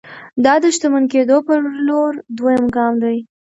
دا د شتمن کېدو پر لور دویم ګام دی